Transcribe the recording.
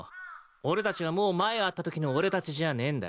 俺たちはもう前会ったときの俺たちじゃねえんだ。